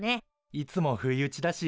いつも不意打ちだし